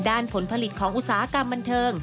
ผลผลิตของอุตสาหกรรมบันเทิง